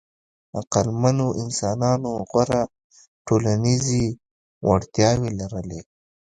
عقلمنو انسانانو غوره ټولنیزې وړتیاوې لرلې.